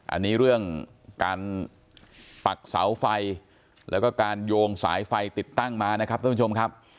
อันนี้เรื่องการปักเสาไฟแล้วก็การโยงสายไฟติดตั้งมานะครับท่านผู้ชมครับ